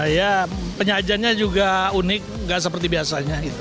ya penyajiannya juga unik gak seperti biasanya gitu